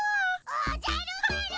おじゃる丸！